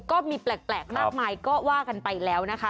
ก็มีแปลกมากมายก็ว่ากันไปแล้วนะคะ